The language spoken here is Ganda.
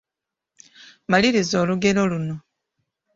Maliriza olugero luno.